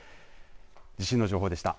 地震の情報でした。